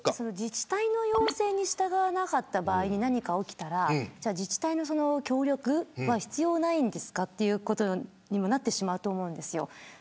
自治体の要請に従わなかった場合に何か起きたら自治体の協力は必要ないんですかということになってしまうと思うんです。